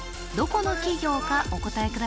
どこの企業かお答え